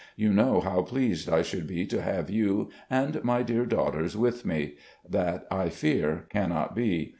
You know how pleased I should be to have you and my dear daughters with me. That I fear cannot be.